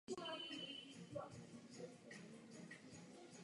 Není to demokratická myšlenka?